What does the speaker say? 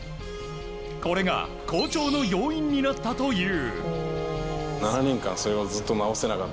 これが好調の要因になったという。